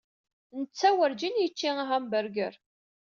Netta werǧin yečči ahamburger.